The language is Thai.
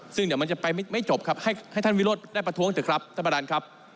ซึ่งเดี๋ยวมันจะไปไม่จบครับให้ท่านวิโรธได้ประท้วงเถอะครับท่านประธานครับ